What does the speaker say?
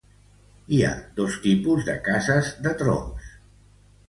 Hi ha dos tipus de cases de troncs.